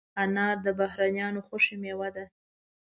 انار د بهرنیانو خوښه مېوه ده.